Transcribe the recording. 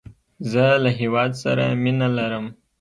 زه له هیواد سره مینه لرم